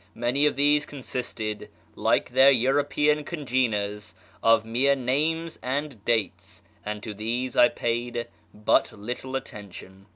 Many of these consisted, like their European congeners, of mere names and dates, and to these I paid but little attention.